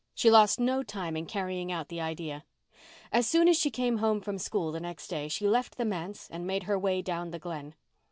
She lost no time in carrying out the idea. As soon as she came home from school the next day she left the manse and made her way down the Glen.